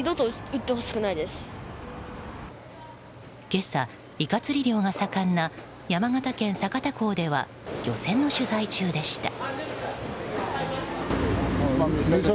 今朝、イカ釣り漁が盛んな山形県酒田港では漁船の取材中でした。